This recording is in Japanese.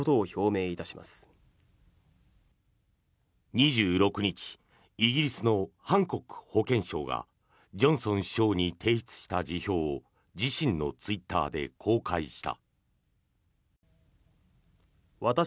２６日イギリスのハンコック保健相がジョンソン首相に提出した辞表を自身のツイッターで公開した。